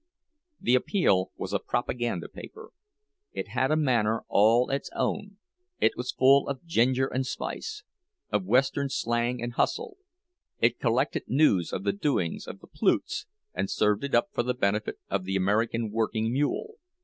The "Appeal" was a "propaganda" paper. It had a manner all its own—it was full of ginger and spice, of Western slang and hustle: It collected news of the doings of the "plutes," and served it up for the benefit of the "American working mule."